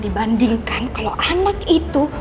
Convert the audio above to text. dibandingkan kalau anak itu